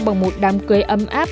bằng một đám cưới ấm áp